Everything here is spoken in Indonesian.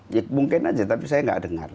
ya mungkin saja tapi saya tidak dengar